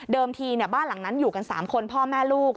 ทีบ้านหลังนั้นอยู่กัน๓คนพ่อแม่ลูก